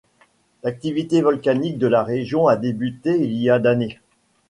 L'activité volcanique de la région a débuté il y a d'années.